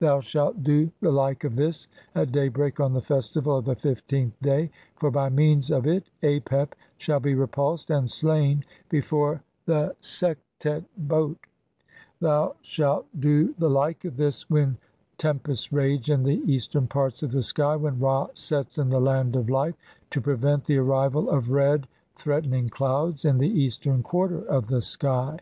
Thou shalt "do the like of this at daybreak on the festival of "the fifteenth day, for by means of it Apep shall be "repulsed and slain before the Sektet boat. Thou shalt i. /. e.. feel the flame. THE MAGIC OF THE BOOK OF THE DEAD. CLV "do the like of this when tempests rage in the east "ern parts of the sky when Ra sets in the land of "life, to prevent the arrival of red threatening clouds "in the eastern quarter of the sky.